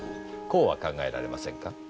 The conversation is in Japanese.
こうは考えられませんか？